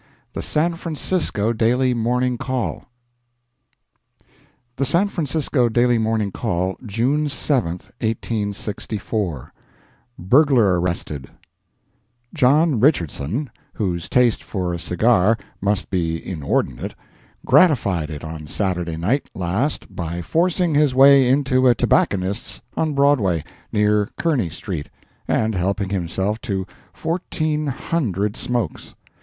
THE SAN FRANCISCO DAILY MORNING CALL The San Francisco Daily Morning Call, June 7, 1864 BURGLAR ARRESTED John Richardson, whose taste for a cigar must be inordinate, gratified it on Saturday night last by forcing his way into a tobacconist's on Broadway, near Kearny street, and helping himself to fourteen hundred "smokes."